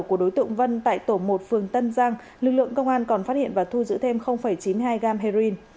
của đối tượng vân tại tổ một phường tân giang lực lượng công an còn phát hiện và thu giữ thêm chín mươi hai gram heroin